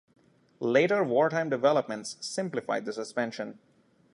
Later wartime developments simplified the suspension.